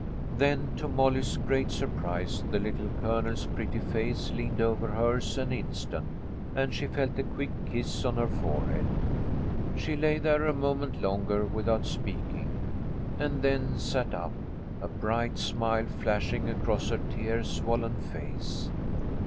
Then to Molly's great surprise the Little Colonel's pretty face leaned over hers an instant, and she felt a quick kiss on her forehead. She lay there a moment longer without speaking, and then sat up, a bright smile flashing across her tear swollen face.